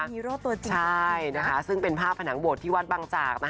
ฮีโร่ตัวจริงใช่นะคะซึ่งเป็นภาพผนังโบสถที่วัดบางจากนะคะ